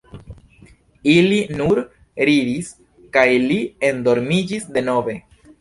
Ili nur ridis, kaj li endormiĝis denove.